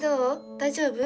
大丈夫？